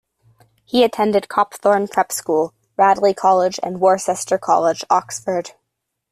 He attended Copthorne Prep School, Radley College and Worcester College, Oxford.